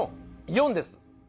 ４です。